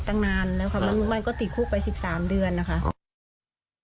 ตั้งนานแล้วค่ะมันก็ติดคลุกไป๑๓เดือนนะคะ